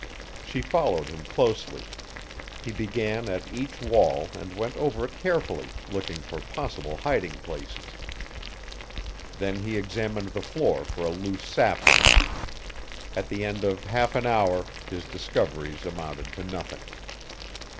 She followed him closely. He began at each wall and went over it carefully, looking for possible hiding places. Then he examined the floor for a loose sapling. At the end of half an hour his discoveries amounted to nothing.